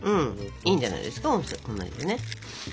いいんじゃないですか同じでね。